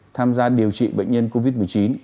tham gia điều trị bệnh nhân covid một mươi chín